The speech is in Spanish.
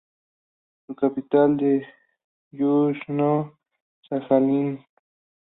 Su capital es Yuzhno-Sajalinsk.